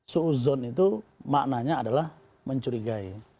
su'uzon itu maknanya adalah mencurigai